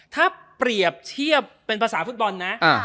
ถ้าเปรียบเทียบเป็นภาษาฟุตบอลนะ